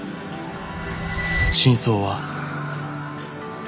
「真相は」。